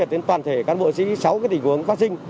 toàn thể các bộ sĩ sáu tỉnh quốc phát sinh